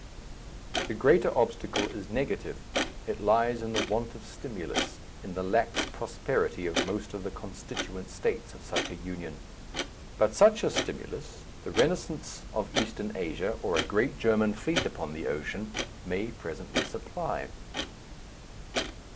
The greater obstacle is negative, it lies in the want of stimulus, in the lax prosperity of most of the constituent states of such a union. But such a stimulus, the renascence of Eastern Asia, or a great German fleet upon the ocean, may presently supply.